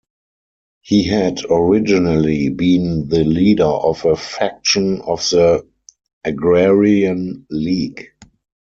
He had originally been the leader of a faction of the Agrarian League.